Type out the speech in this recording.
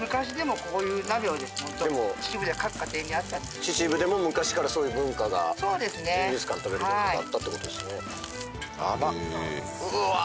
秩父でも昔からそういう文化がそうですねジンギスカン食べる文化があったってことですねやばっうわー